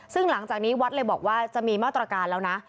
ซึ่งหลังจากนี้วัดเลยบอกว่าจะมีมาตรการแล้วนะ